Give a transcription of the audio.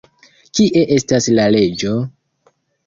Kie estas la leĝo?